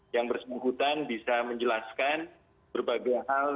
yang bersangkutan bisa menjelaskan berbagai hal